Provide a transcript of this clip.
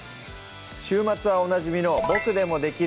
週末はおなじみの「ボクでもできる！